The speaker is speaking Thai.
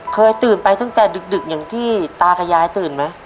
เคยตื่นไปตั้งแต่ดึกอย่างที่ตากับยายตื่นไหม